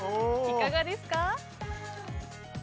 いかがですか？